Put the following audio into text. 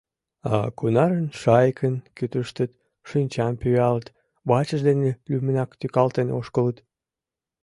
А кунарын шайыкын кӱтыштыт, шинчам пӱялыт, вачышт дене лӱмынак тӱкалтен ошкылыт?